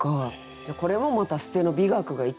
じゃあこれもまた捨ての美学が生きた歌だという。